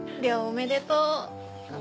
おめでとう。